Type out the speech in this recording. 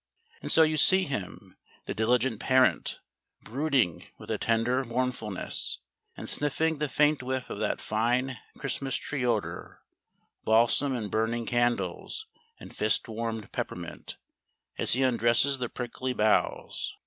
And so you see him, the diligent parent, brooding with a tender mournfulness and sniffing the faint whiff of that fine Christmas tree odour balsam and burning candles and fist warmed peppermint as he undresses the prickly boughs.